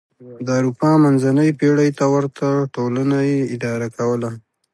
د اروپا منځنۍ پېړۍ ته ورته ټولنه یې اداره کوله.